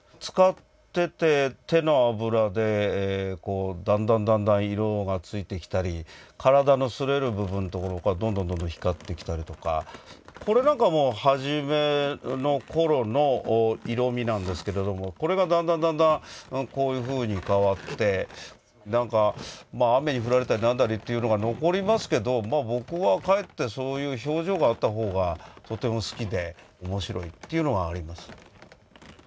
使ってて手の油でだんだんだんだん色がついてきたり体の擦れる部分がどんどんどんどん光ってきたりとかこれなんかもう初めの頃の色味なんですけれどもこれがだんだんだんだんこういうふうに変わって雨に降られたり何だりっていうのが残りますけど僕はかえってそういう表情があった方がとても好きで面白いっていうのはあります。